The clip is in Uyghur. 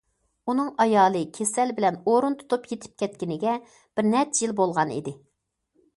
ئۇنىڭ ئايالى كېسەل بىلەن ئورۇن تۇتۇپ يېتىپ كەتكىنىگە بىر نەچچە يىل بولغان ئىدى.